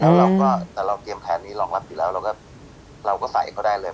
แล้วเราก็แต่เราเตรียมแผนนี้รองรับอยู่แล้วเราก็เราก็ใส่ก็ได้เลย